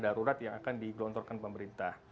darurat yang akan digelontorkan pemerintah